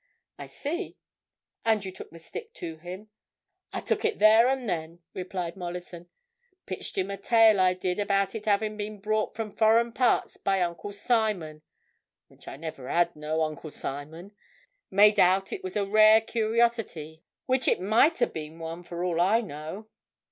"I see. And you took the stick to him?" "I took it there and then," replied Mollison. "Pitched him a tale, I did, about it having been brought from foreign parts by Uncle Simon—which I never had no Uncle Simon. Made out it was a rare curiosity—which it might ha' been one, for all I know."